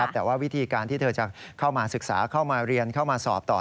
แต่ว่าวิธีการที่เธอจะเข้ามาศึกษาเข้ามาเรียนเข้ามาสอบต่อ